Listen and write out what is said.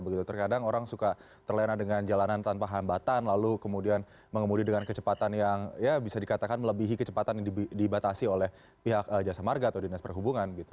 begitu terkadang orang suka terlena dengan jalanan tanpa hambatan lalu kemudian mengemudi dengan kecepatan yang ya bisa dikatakan melebihi kecepatan yang dibatasi oleh pihak jasa marga atau dinas perhubungan gitu